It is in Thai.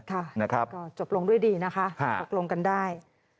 ค่ะก็จบลงด้วยดีนะฮะจบลงกันได้